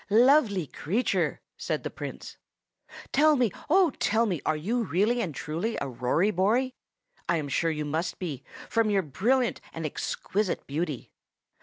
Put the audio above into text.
"Lovely creature!" said the Prince, "tell me, oh, tell me, are you really and truly a Rory Bory? I am sure you must be, from your brilliant and exquisite beauty."